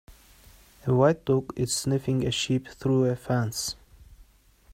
A white dog is sniffing a sheep through a fence.